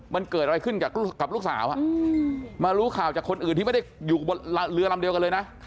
มันเกิดอะไรขึ้นกับลูกสาวมารู้ข่าวจากคนอื่นที่ไม่ได้อยู่บนเรือลำเดียวกันเลยนะ